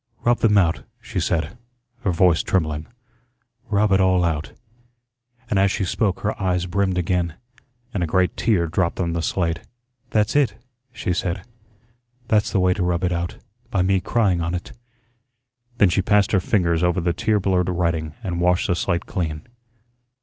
"Rub them out," she said, her voice trembling; "rub it all out;" and as she spoke her eyes brimmed again, and a great tear dropped on the slate. "That's it," she said; "that's the way to rub it out, by me crying on it." Then she passed her fingers over the tear blurred writing and washed the slate clean.